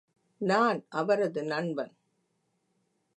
நான் அவரது நண்பன்.